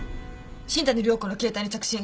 新谷涼子の携帯に着信。